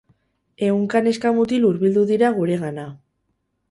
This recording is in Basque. Ehunka neska mutil hurbildu dira guregana.